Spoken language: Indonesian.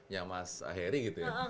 ya mas ah eri gitu ya